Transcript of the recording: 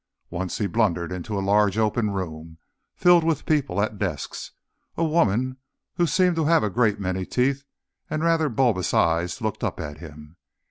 Once he blundered into a large open room filled with people at desks. A woman who seemed to have a great many teeth and rather bulbous eyes looked up at him.